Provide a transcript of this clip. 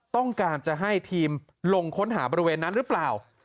ต้องการจะให้ทีมลงค้นหาบริเวณนั้นหรือเปล่า